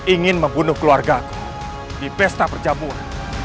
ingin membunuh keluargaku di pesta perjamuan